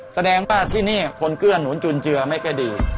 แสดงบ้านที่นี่คนเคลื่อนหนุนจุนเจือไม่แค่ดี